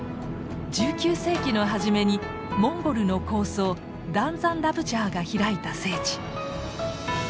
１９世紀の初めにモンゴルの高僧ダンザンラブジャーが開いた聖地。